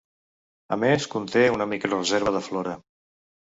A més conté una microreserva de flora.